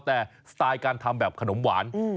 แต่สไตล์การทำแบบขนมหวาน